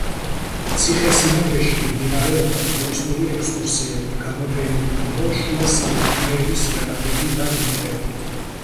ციხესიმაგრეში მიმდინარეობდა ტურისტული ექსკურსიები, გამოფენილი იყო შუა საუკუნეების იარაღები და ნივთები.